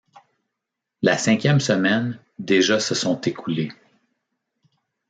La cinquième semaine, déjà se sont écoulés.